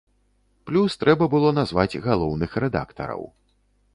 Плюс трэба было назваць галоўных рэдактараў.